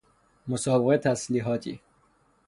مسابقه تسلیحاتی